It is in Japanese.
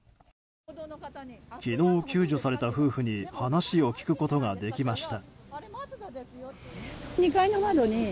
昨日、救助された夫婦に話を聞くことができました。